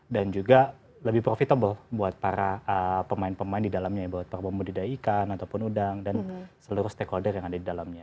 juga lebih profitable buat para pemain pemain di dalamnya ya buat para pembudidaya ikan ataupun udang dan seluruh stakeholder yang ada di dalamnya